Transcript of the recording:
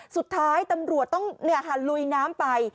สุดท้ายตำรวจต้องลุยน้ำไป